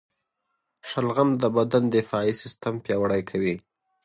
شلغم د بدن دفاعي سیستم پیاوړی کوي.